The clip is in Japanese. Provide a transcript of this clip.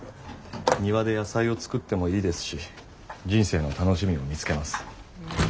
庭で野菜を作ってもいいですし人生の楽しみを見つけます。